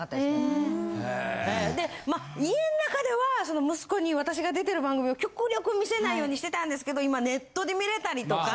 でまあ家ん中では息子に私が出てる番組を極力見せないようにしてたんですけど今ネットで見れたりとか。